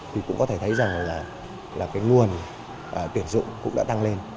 thì cũng có thể thấy rằng là cái nguồn tuyển dụng cũng đã tăng lên